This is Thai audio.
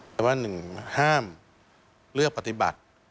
แต่ว่า๑ห้ามเลือกปฏิบัติ